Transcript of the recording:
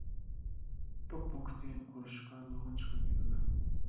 توك پونكىتى قۇرۇشقا نۇرغۇن چىقىم كېتىدۇ.